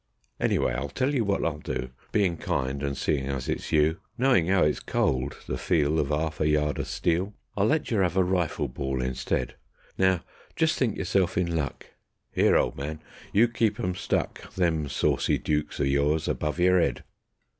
"Anyway I'll tell you wot I'll do, Bein' kind and seein' as it's you, Knowin' 'ow it's cold, the feel Of a 'alf a yard o' steel, I'll let yer 'ave a rifle ball instead; Now, jist think yerself in luck. ... 'Ere, ol' man! You keep 'em stuck, Them saucy dooks o' yours, above yer 'ead."